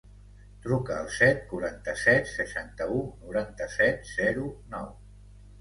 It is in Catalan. Truca al set, quaranta-set, seixanta-u, noranta-set, zero, nou.